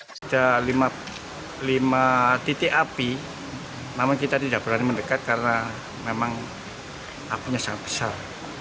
ada lima titik api namun kita tidak berani mendekat karena memang apinya sangat besar